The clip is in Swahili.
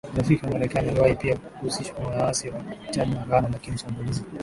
marafiki wa Marekani Aliwahi pia kuhusishwa na waasi wa Chad na Ghana Lakini shambulizi